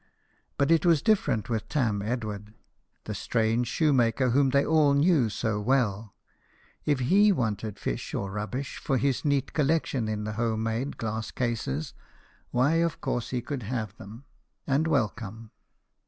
But it was different with Tarn Edward, the strange shoemaker whom they all knew so well ; if he wanted fish or rubbish for his neat collection in the home made glass cases, why, of course he could have them, and welcome.